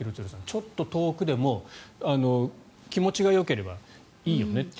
ちょっと遠くでも気持ちがよければいいよねと。